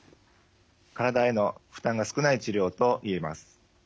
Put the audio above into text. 体への負担が少ない治療と言えます。